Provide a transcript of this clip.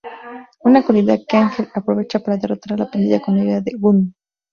Una cualidad que Ángel aprovecha para derrotar a la pandilla con ayuda de Gunn.